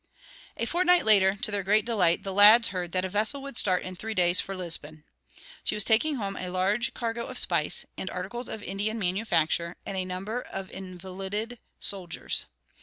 A fortnight later, to their great delight, the lads heard that a vessel would start in three days for Lisbon. She was taking home a large cargo of spice, and articles of Indian manufacture, and a number of invalided soldiers.